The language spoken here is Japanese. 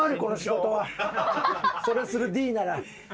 それするＤなら。